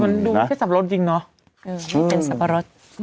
มันดูแค่สับปะรดจริงเนอะอือเป็นสับปะรดอื้อ